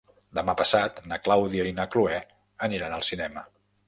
Demà passat na Clàudia i na Cloè aniran al cinema.